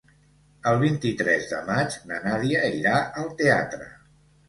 El vint-i-tres de maig na Nàdia irà al teatre.